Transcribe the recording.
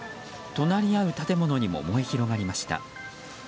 隣り合う建物にも燃え広がりました。